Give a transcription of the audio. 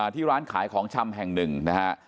ที่ร้านขายของชำแห่งหนึ่งนะฮะ